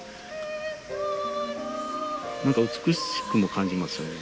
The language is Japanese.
何か美しくも感じますよね。